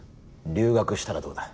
留学したらどうだ？